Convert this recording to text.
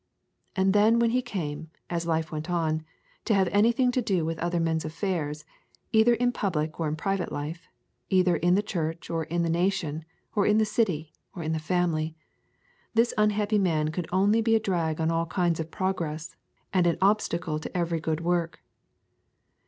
And then when he came, as life went on, to have anything to do with other men's affairs, either in public or in private life, either in the church, or in the nation, or in the city, or in the family, this unhappy man could only be a drag on all kinds of progress, and in obstacle to every good work.